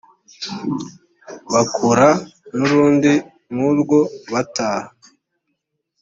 bakora n urundi nk urwo bataha